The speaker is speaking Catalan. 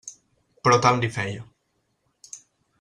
Però tant li feia.